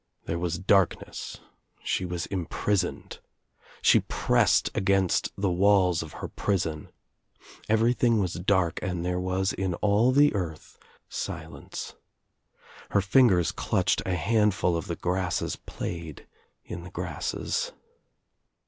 There was darkness. She 1 was imprisoned. She pressed against the walls of her prison. Everything was darlt and there was in all the earth silence. Her fingers clutched a handful of the grasses, played in the grasses.